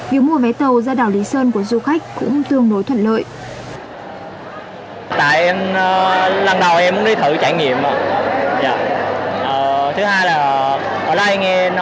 việc mua vé tàu ra đảo lý sơn của du khách cũng tương đối thuận lợi